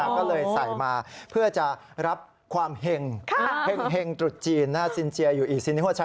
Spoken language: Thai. ก็เลยใส่มาเพื่อจะรับความแห่งแห่งตรุษจีนสินเจียอยู่อีสินที่หัวใช้